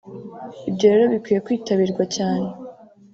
ibyo rero bikwiye kwitabirwa cyane”